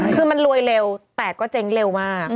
คือมันรวยเร็วแต่ก็เจ๊งเร็วมาก